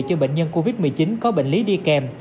cho bệnh nhân covid một mươi chín có bệnh lý đi kèm